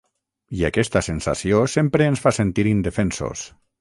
I aquesta sensació sempre ens fa sentir indefensos.